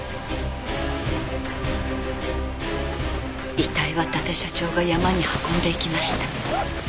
遺体は伊達社長が山に運んでいきました。